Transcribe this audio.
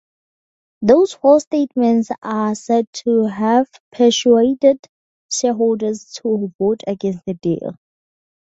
Those false statements are said to have persuaded shareholders to vote against the deal.